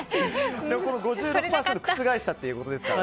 ５６％を覆したということですから。